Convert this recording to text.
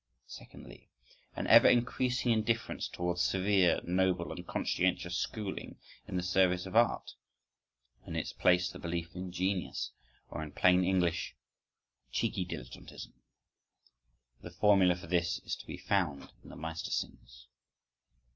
Secondly: an ever increasing indifference towards severe, noble and conscientious schooling in the service of art, and in its place the belief in genius, or in plain English, cheeky dilettantism (—the formula for this is to be found in the Mastersingers).